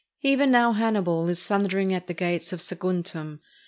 Even now Hannibal is thundering at the gates of Saguntum!